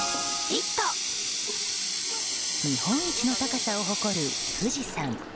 日本一の高さを誇る富士山。